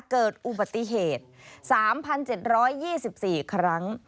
เกิดอุบัติเหตุ๓๗๒๔ครั้ง